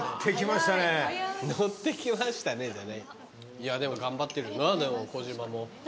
いやでも頑張ってるよな小嶋も。